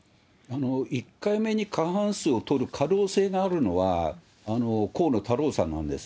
１回目に過半数を取る可能性があるのは、河野太郎さんなんです。